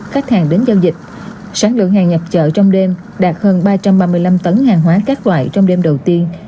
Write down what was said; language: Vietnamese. khách hàng đến giao dịch sáng lượng hàng nhập chợ trong đêm đạt hơn ba trăm ba mươi năm tấn hàng hóa các loại trong đêm đầu tiên